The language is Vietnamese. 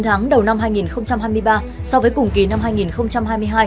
chín tháng đầu năm hai nghìn hai mươi ba so với cùng kỳ năm hai nghìn hai mươi hai